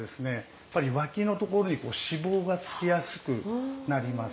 やっぱり脇のところに脂肪がつきやすくなります。